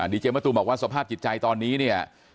ดีเจมะตูมบอกว่าสภาพจิตใจตอนนี้เนี่ย